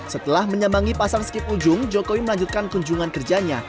setelah menyembangi pasar skip ujung jokowi melanjutkan kunjungan kerjanya